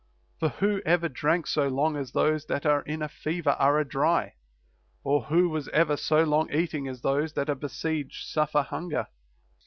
For who ever drank so long as those that are in a fever are adry ? Or who was ever so long eating as those that are besieged suffer hunger